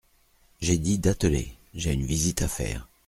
J’ai dit d’atteler ; j’ai une visite à faire.